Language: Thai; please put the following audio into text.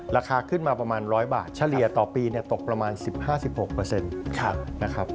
ราคาขึ้นมาประมาณ๑๐๐บาทเฉลี่ยต่อปีตกประมาณ๑๕๑๖นะครับ